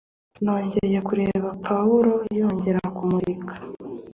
Nongeye kureba Pawulo yongera kumurika